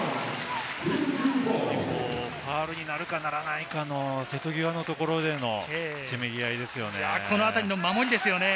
ファウルになるかならないかの瀬戸際の所でのせめぎ合いですよね。